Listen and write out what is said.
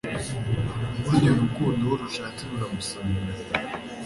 Burya Urukundo uwo rushatse ruramusanga